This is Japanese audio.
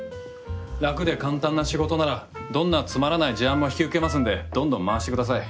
楽で簡単な仕事ならどんなつまらない事案も引き受けますんでどんどん回してください。